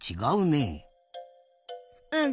うん。